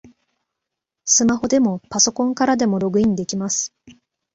スマホでもパソコンからでもログインできます